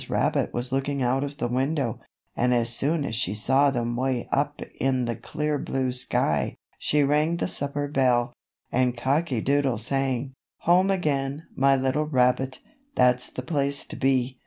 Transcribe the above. Rabbit was looking out of the window, and as soon as she saw them way up high in the clear blue sky, she rang the supper bell, and Cocky Doodle sang: "Home again, my little rabbit, That's the place to be.